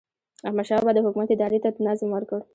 احمدشاه بابا د حکومت ادارې ته نظم ورکړ.